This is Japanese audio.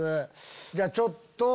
じゃあちょっと。